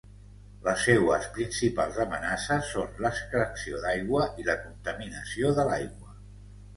Les seues principals amenaces són l'extracció d'aigua i la contaminació de l'aigua.